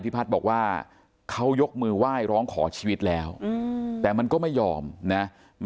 ก็โวยไว้บอกว่าทำไมเราร้านนี้ราคาแพงเราบอกว่าเค้าจะพร้อม